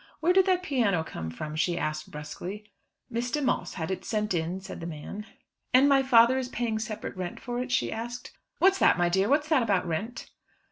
"Where did that piano come from?" she asked brusquely. "Mr. Moss had it sent in," said the man. "And my father is paying separate rent for it?" she asked. "What's that, my dear? What's that about rent?"